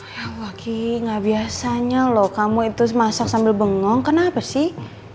wah waki nggak biasanya loh kamu itu masak sambil bengong kenapa sih